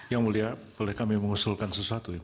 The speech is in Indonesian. yang mulia boleh kami mengusulkan sesuatu ya